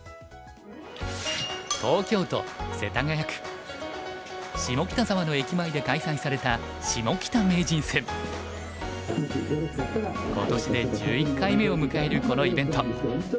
東京都世田谷区下北沢の駅前で開催された今年で１１回目を迎えるこのイベント。